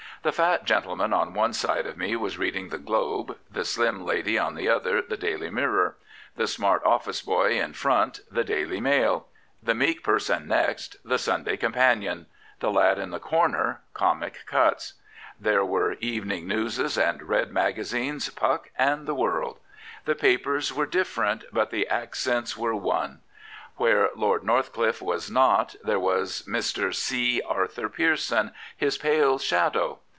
The fat gentleman on one side of me was reading the Globe] the slim lady on the other the Daily Mirror] the smart office boy in front the Daily Mail] the meek person next the Sunday Companion] the lad in the corner Cowic Cw^s. There were Evening Newses, and Red Magazines, Puck, and the World, The papers were different, but the accents were one. Where Lord Northcliffe was not, there was Mr. C. Arthur Pearson, his pale shadow.